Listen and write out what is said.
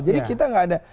jadi kita nggak ada